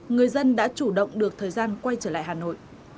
người dân đã chủ động được thời gian quay trở lại hà nội